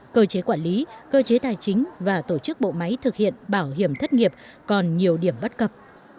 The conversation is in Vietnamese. cơ chế quản lý cơ chế tài chính và tổ chức bộ máy thực hiện bảo hiểm thất nghiệp còn nhiều điểm bất cập